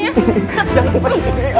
jempolin bales rara bales nih ya